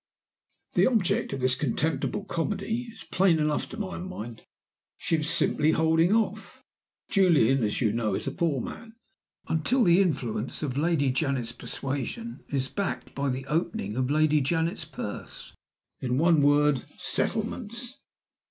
"The object of this contemptible comedy is plain enough to my mind. She is simply holding off (Julian, as you know, is a poor man) until the influence of Lady Janet's persuasion is backed by the opening of Lady Janet's purse. In one word Settlements!